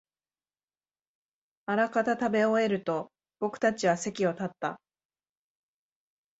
あらかた食べ終えると、僕たちは席を立った